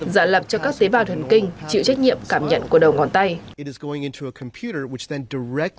dạ lập cho các tế bào thần kinh chịu trách nhiệm cảm nhận của đầu ngón tay